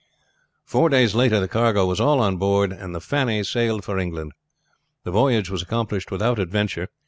Four days later the cargo was all on board, and the Fanny sailed for England. The voyage was accomplished without adventure.